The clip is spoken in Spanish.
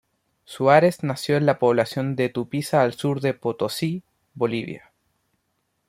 Suárez nació en la población de Tupiza al sur de Potosí, Bolivia.